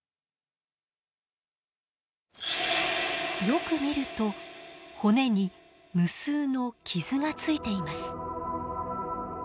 よく見ると骨に無数の傷がついています。